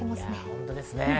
本当ですね。